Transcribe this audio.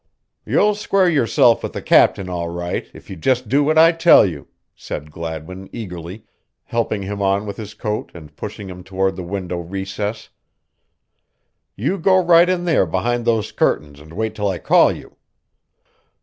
"You'll square yourself with the captain all right if you just do what I tell you," said Gladwin eagerly, helping him on with his coat and pushing him toward the window recess. "You go right in there behind those curtains and wait till I call you."